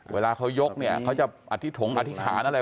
เวลาเขายกเนี่ยเขาจะอธิถงอธิษฐานอะไร